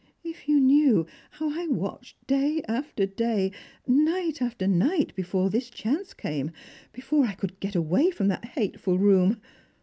If you knew how I watched day after day, night after night, before this chance came, before I could get away from that hateful room